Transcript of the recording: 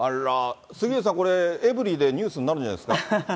杉上さん、これ、エブリィでニュースになるんじゃないですか。